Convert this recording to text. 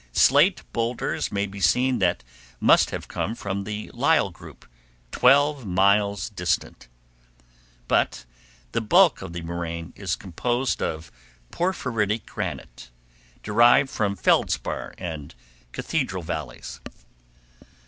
Slate boulders may be seen that must have come from the Lyell group, twelve miles distant. But the bulk of the moraine is composed of porphyritic granite derived from Feldspar and Cathedral Valleys.